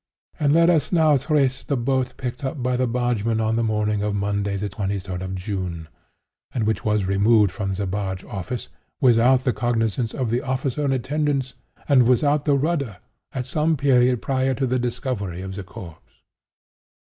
And let us now trace the boat picked up by the bargeman on the morning of Monday the twenty third of June, and which was removed from the barge office, without the cognizance of the officer in attendance, and without the rudder, at some period prior to the discovery of the corpse.